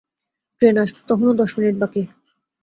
Train আসতে তখনও দশ মিনিট বাকি।